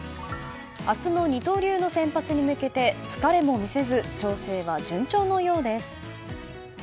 明日の二刀流の先発に向けて疲れも見せず調整は順調なようです。